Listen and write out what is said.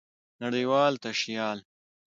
نړۍوال تشيال